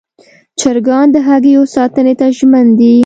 چرګان د هګیو ساتنې ته ژمن دي.